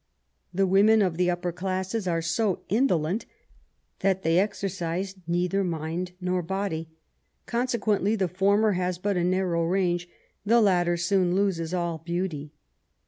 The women of the upper classes are so indolent that they exercise neither mind nor body; consequently the former has but a narrow range, the latter soon loses all beauty.